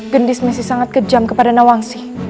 gendis masih sangat kejam kepada nawangsi